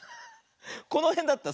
このへんだった。